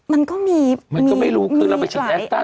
มันก็มีมันก็ไม่รู้คือเราไปถึงแอสต้า